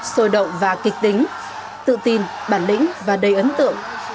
sôi động và kịch tính tự tin bản lĩnh và đầy ấn tượng